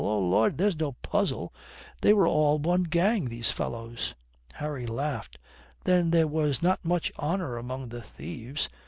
Oh Lud, there's no puzzle. They were all one gang, these fellows." Harry laughed. "Then there was not much honour among the thieves.